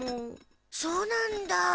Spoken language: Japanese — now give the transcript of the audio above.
そうなんだ。